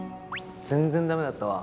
全然ダメだったわ。